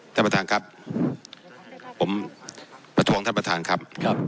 ท่านประธานครับผมประท้วงท่านประธานครับ